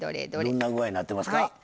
どんな具合になってますか？